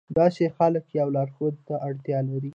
داسې خلک يوه لارښود ته اړتيا لري.